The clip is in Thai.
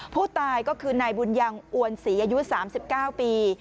ผู้ตายก็คือนายบุญยังอวนศรีอายุ๓๙ปี